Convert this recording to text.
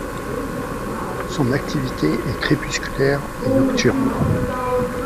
Son activité est crépusculaire et nocturne.